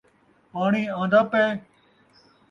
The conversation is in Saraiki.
پاݨی آندا پئے ؟